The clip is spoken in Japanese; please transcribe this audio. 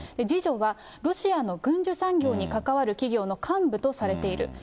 次女は、ロシアの軍需産業に関わる企業の幹部とされている。